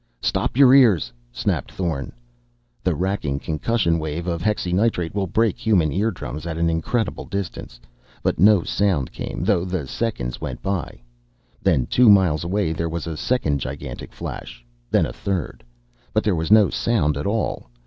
"Stop your ears!" snapped Thorn. The racking concussion wave of hexynitrate will break human eardrums at an incredible distance. But no sound came, though the seconds went by.... Then, two miles away, there was a second gigantic flash.... Then a third.... But there was no sound at all.